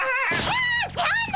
あじゃあね！